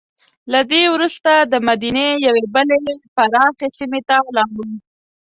له دې وروسته دمدینې یوې بلې پراخې سیمې ته لاړو.